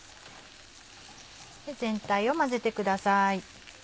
全体を混ぜてください。